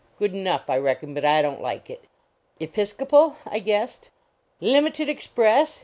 Good enough, I reckon, but I don t like it." 11 Episcopal?" I guessed. " Limited express!"